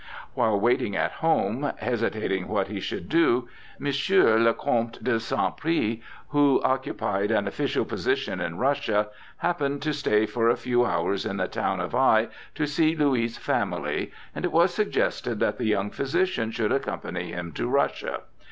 While waiting at home, hesitating what he should do, M. le comte de Saint Priest, who occupied an official position in Russia, happened to stay for a few hours in the town of Ai to see Louis' family, and it was suggested that the young physician should accompany him to Russia.